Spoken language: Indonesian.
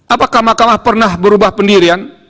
apakah makamah pernah berubah pendirian